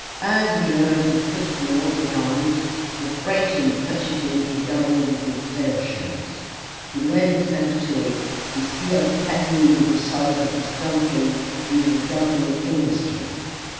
As he heard the footfalls behind, the frightened fugitive redoubled his exertions. He laid himself to it, his heels paddling in the sides of his donkey with redoubled industry.